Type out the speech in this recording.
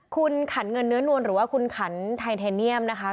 คุณขันเงินเนื้อนวลหรือว่าคุณขันไทเทเนียมนะคะ